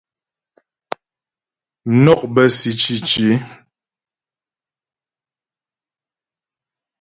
Mnɔk bə́ si cǐci.